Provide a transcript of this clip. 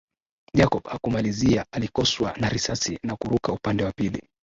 Jacob hakumalizia alikoswa na risasi na kuruka upande wa pili